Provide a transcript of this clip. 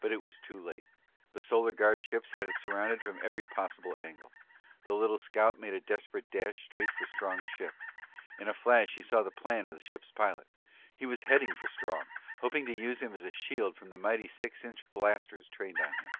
But it was too late. The Solar Guard ships had it surrounded from every possible angle. The little scout made a desperate dash straight for Strong's ship. In a flash, he saw the plan of the ship's pilot. He was heading for Strong, hoping to use him as a shield from the mighty six inch blasters trained on him.